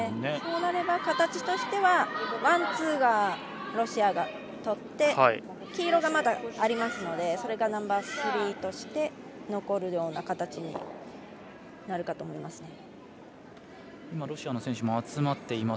そうなれば、形としてはワン、ツーをロシアが取って黄色が、まだありますのでそれがナンバースリーとして残るような形になるかと思います。